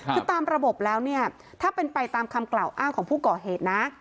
คือตามระบบแล้วเนี่ยถ้าเป็นไปตามคำกล่าวอ้างของผู้ก่อเหตุนะ